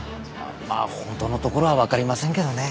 まあ本当のところはわかりませんけどね。